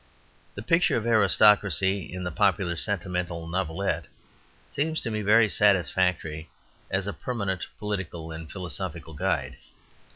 The picture of aristocracy in the popular sentimental novelette seems to me very satisfactory as a permanent political and philosophical guide.